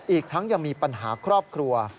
อีกทั้งยังมีปัญหาครอบครัว